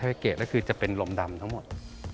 ถ้าไม่เกลียดแล้วคือจะเป็นลมดำทั้งหมด